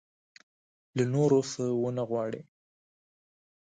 له نورو څه ونه وغواړي.